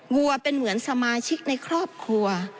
วัวเป็นเหมือนสมาชิกในครอบครัว